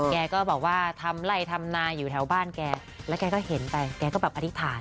แกก็บอกว่าทำไล่ทำนาอยู่แถวบ้านแกแล้วแกก็เห็นไปแกก็แบบอธิษฐาน